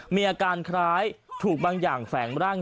มีอาการคล้ายถูกบางอย่างแฝงร่าง